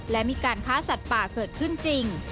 และมีการค้าสัตว์ป่าเกิดขึ้นจริง